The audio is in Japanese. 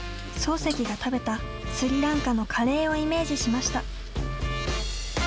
漱石が食べた、スリランカのカレーをイメージしました。